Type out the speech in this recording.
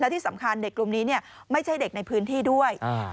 ที่สำคัญเด็กกลุ่มนี้ไม่ใช่เด็กในพื้นที่ด้วย